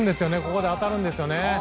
ここで当たるんですね。